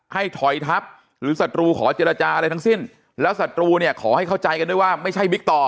ให้ถอยทับหรือศัตรูขอเจรจาอะไรทั้งสิ้นแล้วศัตรูเนี่ยขอให้เข้าใจกันด้วยว่าไม่ใช่บิ๊กต่อ